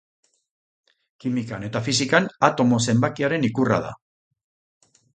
Kimikan eta fisikan, atomo zenbakiaren ikurra da.